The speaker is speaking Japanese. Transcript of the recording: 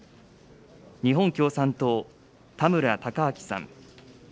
日本共産党、田村貴昭さん。